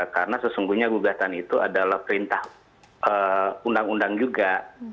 karena sesungguhnya gugatan itu adalah perintah undang undang juga